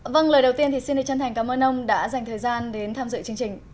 vâng lời đầu tiên thì xin đề chân thành cảm ơn ông đã dành thời gian đến tham dự chương trình